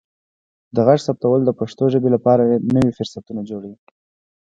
د غږ ثبتول د پښتو ژبې لپاره نوي فرصتونه جوړوي.